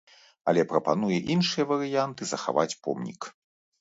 Але прапануе іншыя варыянты захаваць помнік.